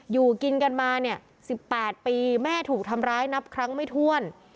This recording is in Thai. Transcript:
อยู่กินกันมาเนี่ย๑๘ปีแม่ถูกทำร้ายนับครั้งไม่ถ้วน